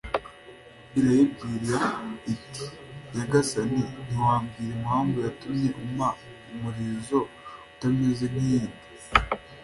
Irayibwira iti”Nyagasani, ntiwambwira impamvu yatumye umpa umurizo utameze nk’iyindi?